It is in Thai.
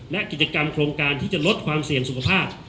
และกิจกรรมโครงการที่จะลดความเสี่ยงสุขภาพ